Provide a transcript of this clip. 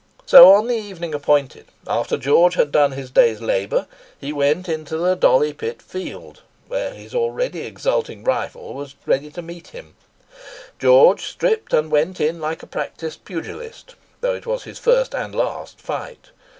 So, on the evening appointed, after George had done his day's labour, he went into the Dolly Pit Field, where his already exulting rival was ready to meet him. George stripped, and "went in" like a practised pugilist—though it was his first and last fight.